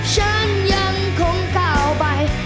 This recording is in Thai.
ฉันยังคงก้าวไป